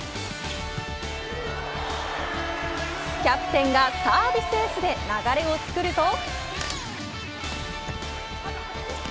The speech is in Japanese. キャプテンがサービスエースで流れを作ると。